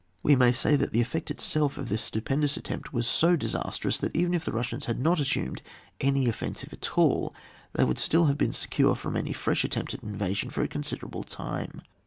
We may say that the effect itself of this stupendous attempt was so disastrous that even if the Kussians had not assumed any offensive at all, they would still have been secure from any fresh attempt at invasion for a considerable time.